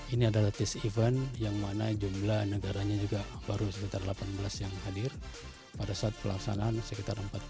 ini adalah test event yang mana jumlah negaranya juga baru sekitar delapan belas yang hadir pada saat pelaksanaan sekitar empat puluh